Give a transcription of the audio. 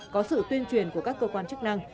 có sự tuyên truyền của các cơ quan chức năng